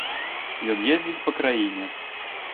Ён ездзіць па краіне.